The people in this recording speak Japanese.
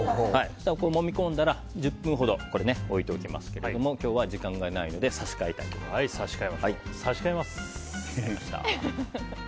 もみ込んだら１０分ほど置いておきますが今日は時間がないので差し替えます。